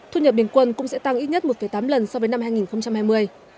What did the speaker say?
thu nhập bình quân cũng sẽ tăng ít nhất một tám lần so với năm hai nghìn hai mươi